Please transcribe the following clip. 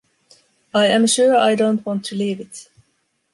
I am sure I don't want to leave it.